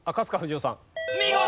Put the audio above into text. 見事！